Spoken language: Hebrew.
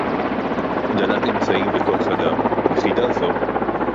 דלת אמצעים וכוח-אדם; יחידה זו